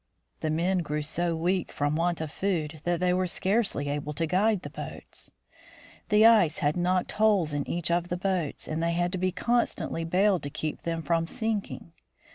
The men grew so weak from want of food that they were scarcely able to guide the boats. The ice had knocked holes in each of the boats, and they had to be constantly baled to keep them from sink ing.